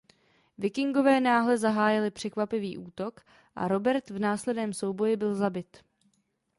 Vikingové náhle zahájili překvapivý útok a Robert v následném souboji byl zabit.